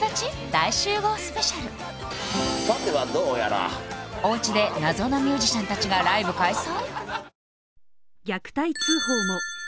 大集合スペシャルおうちで謎のミュージシャン達がライブ開催？